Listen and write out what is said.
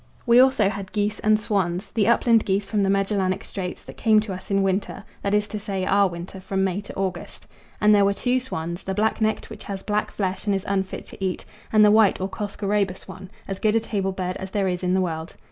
We also had geese and swans: the upland geese from the Megellanic Straits that came to us in winter that is to say, our winter from May to August. And there were two swans, the black necked, which has black flesh and is unfit to eat, and the white or Coscoroba Swan, as good a table bird as there is in the world.